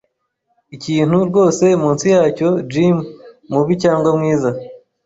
ikintu, rwose, munsi yacyo, Jim - mubi cyangwa mwiza. ”